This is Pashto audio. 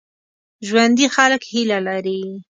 ژوندي خلک هیله لري